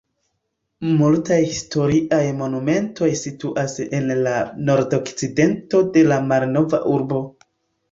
Multaj historiaj monumentoj situas en la nordokcidento de la malnova urbo.